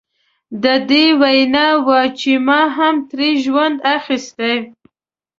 د ده وینا وه چې ما هم ترې ژوند اخیستی.